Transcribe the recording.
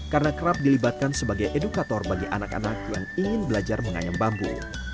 karena kerap dilibatkan sebagai edukator bagi anak anak yang ingin belajar menganyam bambu